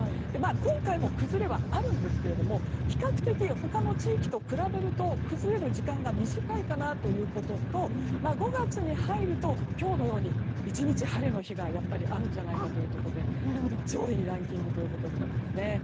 今回も崩れはありますが比較的、他の地域と比べると崩れる時間が短いかなということと５月に入ると今日のように１日晴れの日がやっぱりあるんじゃないかということで上位にランキングということになりましたね。